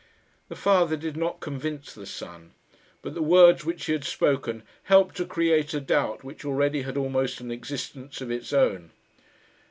The father did not convince the son, but the words which he had spoken helped to create a doubt which already had almost an existence of its own.